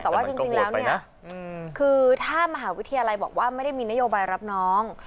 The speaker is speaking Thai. แต่ว่าจริงแล้วเนี่ยคือถ้ามหาวิทยาลัยบอกว่าไม่ได้มีนโยบายรับน้อง